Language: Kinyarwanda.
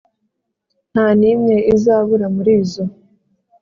«Nta n’imwe izabura muri zo,